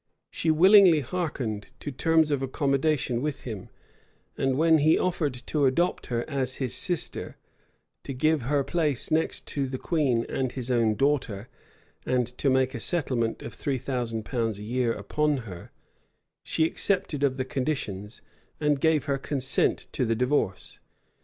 She willingly hearkened to terms of accommodation with him; and when he offered to adopt her as his sister, to give her place next the queen and his own daughter, and to make a settlement of three thousand pounds a year upon her; she accepted of the conditions, and gave her consent to the divorce.